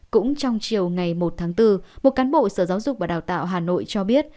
cũng trong chiều ngày một tháng bốn một cán bộ sở giáo dục và đào tạo hà nội cho biết